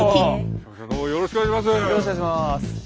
よろしくお願いします。